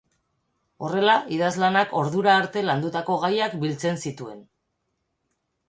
Horrela, idazlanak ordura arte landutako gaiak biltzen zituen.